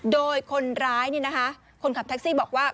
โดยคนร้ายคนขับแท็กซี่บอกว่า